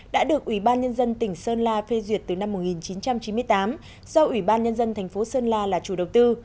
đã được ủy ban nhân dân tỉnh sơn la phê duyệt từ năm một nghìn chín trăm chín mươi tám do ủy ban nhân dân thành phố sơn la là chủ đầu tư